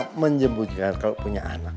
mereka menjemputnya kalau punya anak